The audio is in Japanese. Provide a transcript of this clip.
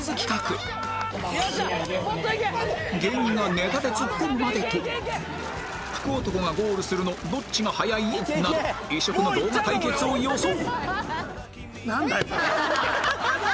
芸人がネタでツッコむまでと福男がゴールするのどっちが早い？など異色の動画対決を予想！